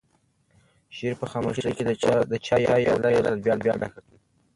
شریف په خاموشۍ کې د چایو پیاله یو ځل بیا ډکه کړه.